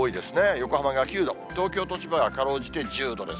横浜が９度、東京と千葉がかろうじて１０度です。